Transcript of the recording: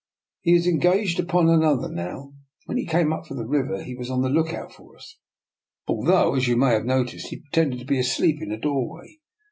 "" He is engaged upon another now. When he came up from the river he was on the lookout for us, although as you may have noticed, he pretended to be asleep in a door way.